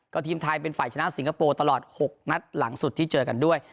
ทีมไทยเป็นฝ่ายชนะสิงคโปร์ตลอด๖นัดหลังสุดที่เจอกันด้วย